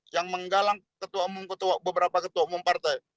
yang menggalang beberapa ketua umum partai